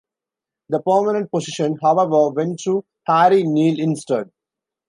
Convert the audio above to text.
The permanent position, however, went to Harry Neale instead.